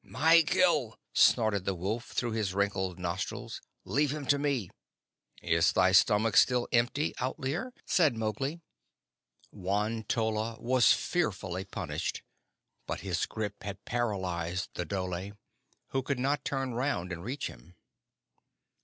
"My kill!" snorted the wolf through his wrinkled nostrils. "Leave him to me." "Is thy stomach still empty, Outlier?" said Mowgli. Won tolla was fearfully punished, but his grip had paralyzed the dhole, who could not turn round and reach him.